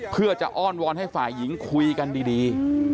เพื่อจะอ้อนวอนให้ฝ่ายหญิงคุยกันดี